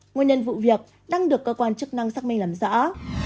nguyên nhân vụ việc đang được cơ quan chức năng xác minh làm rõ